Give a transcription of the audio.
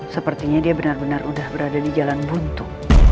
sepertinya dia benar benar sudah berada di jalan buntu